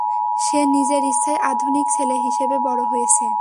সে নিজের ইচ্ছায় আধুনিক ছেলে হিসেবে বড় হয়েছে।